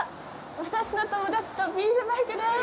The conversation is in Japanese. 私の友達とビールバイクです。